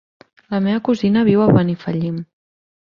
La meva cosina viu a Benifallim.